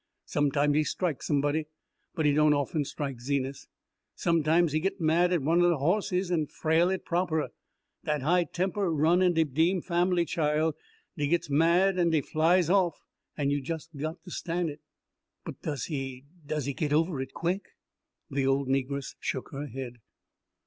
Sometimes he strike some buddy but he doan often strike Zenas. Sometimes he git mad at oner de hosses an' frail it proper. Dat high temper run in de Dean fambly, chile. Dey gits mad, an' dey flies off, an' you just got to stan' it." "But does he does he get over it quick?" The old negress shook her head.